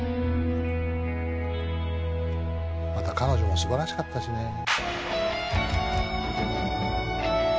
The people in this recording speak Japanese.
「また彼女も素晴らしかったしね」